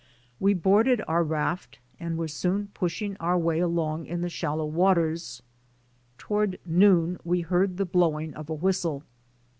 We boarded our raft and were soon pushing our way along in the shallow waters. Toward noon we heard the blowing of a whistle.